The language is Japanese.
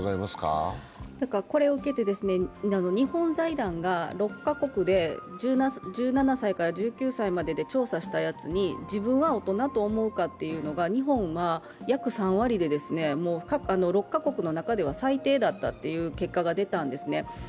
これを受けて、日本財団が６カ国で１７歳から１９歳までで調査したやつに自分は大人と思うかというのは、日本は約３割で６カ国の中では最低だったという結果が出たんですね。